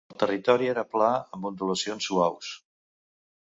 El territori era pla amb ondulacions suaus.